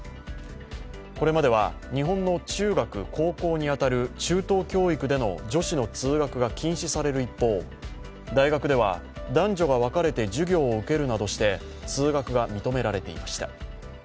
これまでは日本の中学、高校に当たる中等教育での女子の通学が禁止される一方大学では男女が分かれて授業を受けるなどして通学が認めらていました。